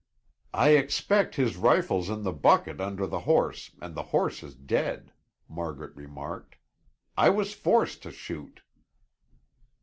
"I expect his rifle's in the bucket under the horse and the horse is dead," Margaret remarked. "I was forced to shoot."